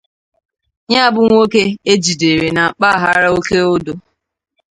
Ya bụ nwoke e jidere na mpaghara Oke-Odo